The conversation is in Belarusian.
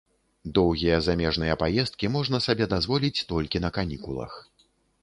Доўгія замежныя паездкі можна сабе дазволіць толькі на канікулах.